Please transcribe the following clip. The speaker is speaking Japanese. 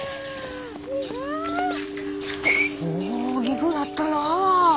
大きぐなったなぁ。